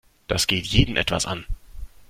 Das geht jeden etwas an.